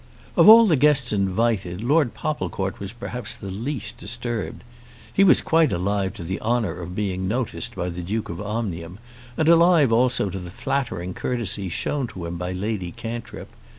Of all the guests invited Lord Popplecourt was perhaps the least disturbed. He was quite alive to the honour of being noticed by the Duke of Omnium, and alive also to the flattering courtesy shown to him by Lady Cantrip.